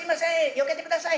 よけてください」